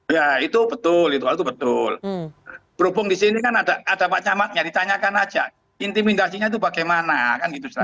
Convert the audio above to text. ya itu betul itu betul berhubung di sini kan ada pak camatnya ditanyakan aja intimidasinya itu bagaimana kan gitu